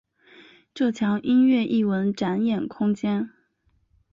这墙音乐艺文展演空间。